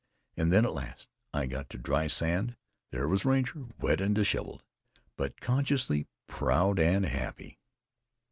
And when at last I got to dry sand, there was Ranger, wet and disheveled, but consciously proud and happy.